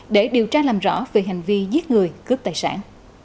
để điều tra làm rõ về hành vi giết người cướp tài sản